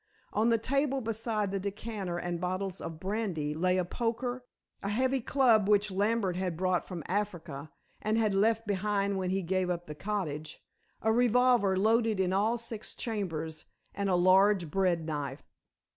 On the table beside the decanter and bottles of brandy, lay a poker, a heavy club which Lambert had brought from Africa, and had left behind when he gave up the cottage, a revolver loaded in all six chambers, and a large bread knife.